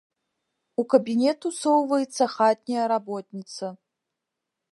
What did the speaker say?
У кабінет усоўваецца хатняя работніца.